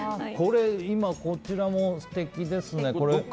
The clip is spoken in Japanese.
こちらも素敵ですね。